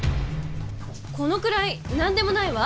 このくらい何でもないわ。